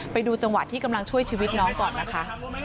ไปดูจังหวะที่กำลังช่วยชีวิตน้องก่อนนะคะ